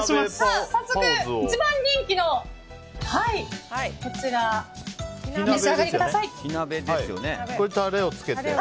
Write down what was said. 早速、一番人気のこちらお召し上がりください。